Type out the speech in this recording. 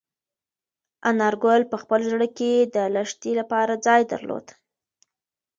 انارګل په خپل زړه کې د لښتې لپاره ځای درلود.